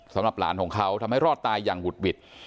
สำหรับหลานของเขาทำให้รอดตายอย่างหุดหวิด